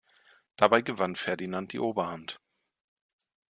Dabei gewann Ferdinand die Oberhand.